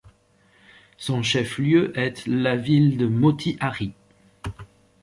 Son chef-lieu est la ville de Motihari.